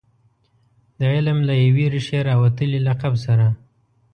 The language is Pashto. د علم له یوې ریښې راوتلي لقب سره.